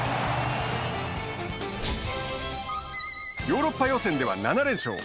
ヨーロッパ予選では７連勝。